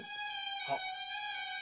はっ。